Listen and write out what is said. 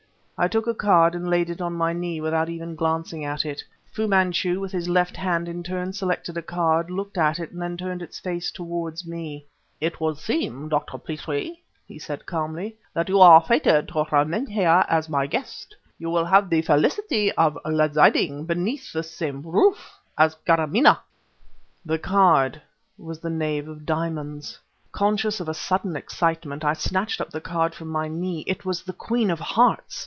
I took a card and laid it on my knee without even glancing at it. Fu Manchu, with his left hand, in turn selected a card, looked at it and then turned its face towards me. "It would seem, Dr. Petrie," he said calmly, "that you are fated to remain here as my guest. You will have the felicity of residing beneath the same roof with Kâramaneh." The card was the Knave of Diamonds. Conscious of a sudden excitement, I snatched up the card from my knee. It was the Queen of Hearts!